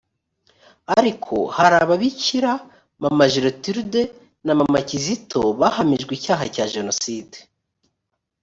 ariko hari ababikira mama gertrude na mama kizito bahamijwe icyaha cya jenoside